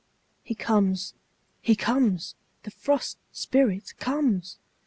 He comes, he comes, the Frost Spirit comes!